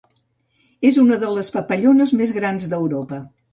És una de les papallones més grans d'Europa.